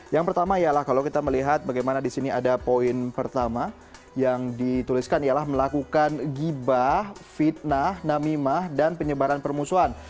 yang pertama ialah kalau kita melihat bagaimana di sini ada poin pertama yang dituliskan ialah melakukan gibah fitnah namimah dan penyebaran permusuhan